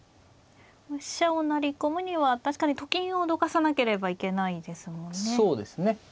飛車を成り込むには確かにと金をどかさなければいけないですもんね。